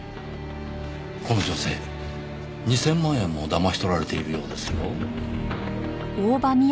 この女性２０００万円もだまし取られているようですよ。